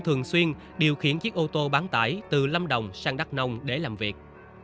thường xuyên điều khiển chiếc ô tô bán tải từ lâm đồng sang đắk nông để làm việc